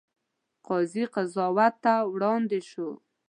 قاضي قضات ته وړاندې شوه.